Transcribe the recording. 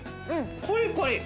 コリコリ！